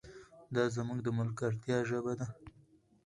دا زموږ د ملګرتیا ژبه ده.